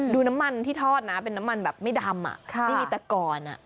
ดูน้ำมันที่ทอดนะเป็นน้ำมันแบบไม่ดำไม่มีแต่ก่อน